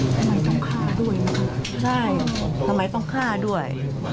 ทำไมต้องฆ่าด้วยนะคะใช่ทำไมต้องฆ่าด้วย